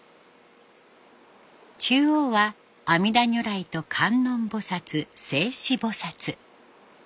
中央は阿弥陀如来と観音菩薩・勢至菩薩。